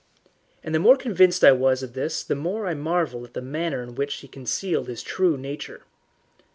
And the more convinced I was of this the more I marvelled at the manner in which he concealed his true nature.